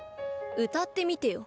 歌ってみてよ。